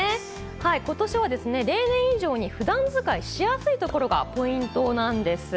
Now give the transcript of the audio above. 今年は例年以上に普段使いしやすいところがポイントなんです。